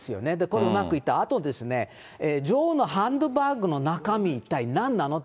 今度、うまくいったあとですね、女王のハンドバッグの中身一体なんなの？